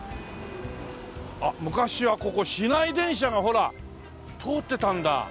昔はここ市内電車がほら通ってたんだ。